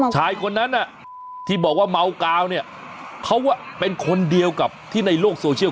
ชายคนนั้นที่บอกว่าเมากาวเนี่ยเขาเป็นคนเดียวกับที่ในโลกโซเชียล